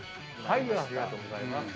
ありがとうございます。